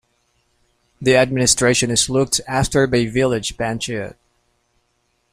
The administration is looked after by village panchayat.